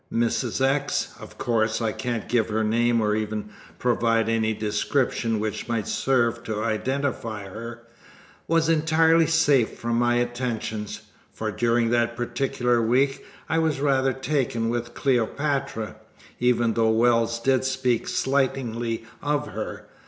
Mrs. X of course I can't give her name or even provide any description which might serve to identify her was entirely safe from my attentions, for during that particular week I was rather taken with Cleopatra, even though Wells did speak slightingly of her.